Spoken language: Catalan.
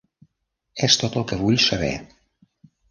És tot el que vull saber.